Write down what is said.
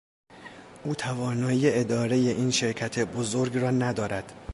او توانایی اداره این شرکت بزرگ را ندارد.